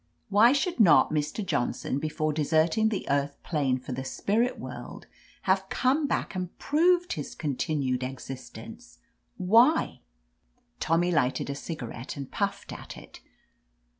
Why should not Mr. Johnson, before deserting the earth plane for the spirit world, have come back and proved his continued ex istence? Why?'' Tommy lighted a cigarette and puffed at it.